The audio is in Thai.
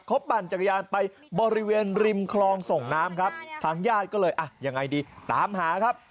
เขาปั่นจักรยานไปบริเวณริมคลองส่งน้ำครับทางญาติก็เลยอ่ะยังไงดีตามหาครับ